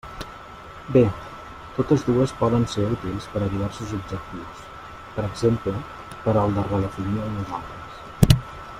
Bé, totes dues poden ser útils per a diversos objectius, per exemple per al de redefinir el "nosaltres".